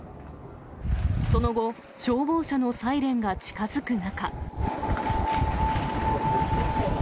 その後、消防車のサイレンが近づく中。